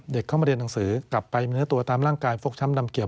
เข้ามาเรียนหนังสือกลับไปเนื้อตัวตามร่างกายฟกช้ำดำเกี่ยว